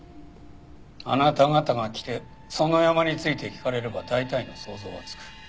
あなた方が来て園山について聞かれれば大体の想像はつく。